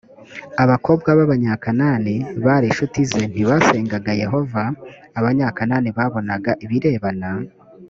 abakobwa b abanyakanani bari inshuti ze ntibasengaga yehova abanyakanani babonaga ibirebana